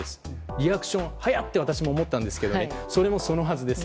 リアクション早いって思ったんですがそれもそのはずです。